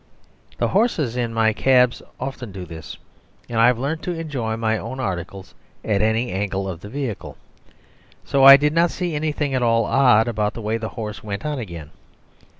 The horses in my cabs often do this, and I have learnt to enjoy my own articles at any angle of the vehicle. So I did not see anything at all odd about the way the horse went on again.